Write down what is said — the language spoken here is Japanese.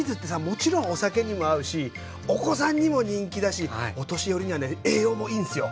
もちろんお酒にも合うしお子さんにも人気だしお年寄りにはね栄養もいいんすよ。